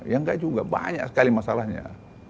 ya enggak juga banyak sekali masalahnya